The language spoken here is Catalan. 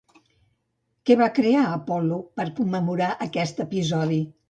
Què va crear, Apol·lo, per a commemorar aquest episodi?